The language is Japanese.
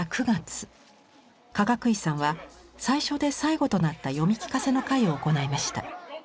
かがくいさんは最初で最後となった読み聞かせの会を行いました。